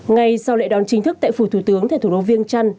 ngay sau lệ đón chính thức tại phủ thủ tướng thầy thủ đô viêng trăn